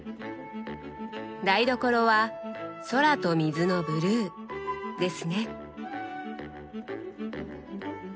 台所は空と水のブルーですね。